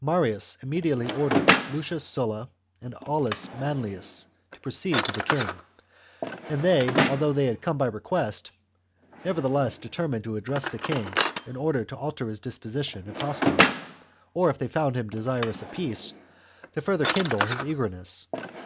Marius immediately ordered Lucius Sulla and Aulus Manlius to proceed THE JUGURTHINE WAR. 235 to the king, and they, although they had come by chap. request, nevertheless determined to address the king in order to alter his disposition if hostile, or if they found him desirous of peace, to further kindle his eagerness.